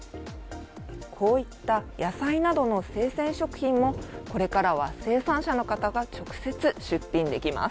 こういった野菜などの生鮮食品もこれからは、生産者の方が直接出品できます。